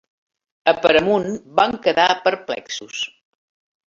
A Paramount van quedar perplexos.